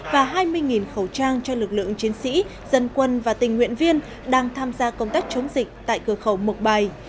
và hai mươi khẩu trang cho lực lượng chiến sĩ dân quân và tình nguyện viên đang tham gia công tác chống dịch tại cửa khẩu mộc bài